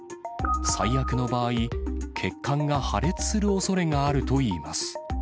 最悪の場合、血管が破裂するおそれがあるといいます。